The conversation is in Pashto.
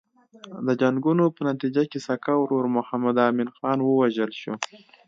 د جنګونو په نتیجه کې سکه ورور محمد امین خان ووژل شو.